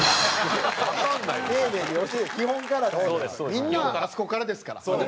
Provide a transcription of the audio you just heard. みんなあそこからですから。